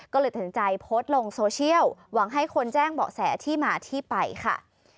ก็เลยตัดสินใจโพสต์ลงโซเชียลหวังให้คนแจ้งเบาะแสที่มาที่ไปค่ะ